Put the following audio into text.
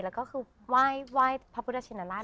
แล้วก็คือว่ายพระพุทธชินราชมาตลอด